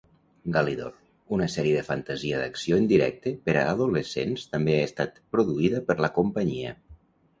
"Galidor", una sèrie de fantasia d'acció en directe per a adolescents també ha estat produïda per la companyia.